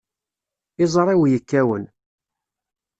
Iẓri-w yekkawen.